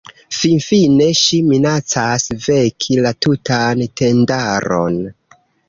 Finfine ŝi minacas veki la tutan tendaron.